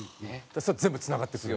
全部つながってくる。